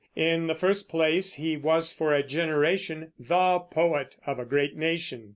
In the first place, he was for a generation "the poet" of a great nation.